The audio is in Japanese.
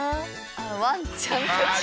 ワンちゃんたち。